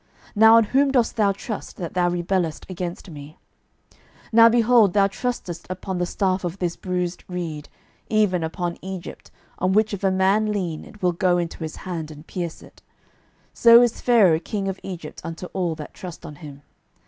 Now on whom dost thou trust, that thou rebellest against me? 12:018:021 Now, behold, thou trustest upon the staff of this bruised reed, even upon Egypt, on which if a man lean, it will go into his hand, and pierce it: so is Pharaoh king of Egypt unto all that trust on him.